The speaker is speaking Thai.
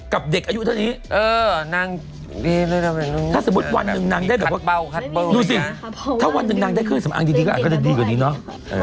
กับเด็กอายุเท่านี้นางถ้าสมมุติวันหนึ่งนางได้แบบว่าดูสิถ้าวันหนึ่งนางได้เครื่องสำอางดีก็อาจจะดีกว่านี้เนาะ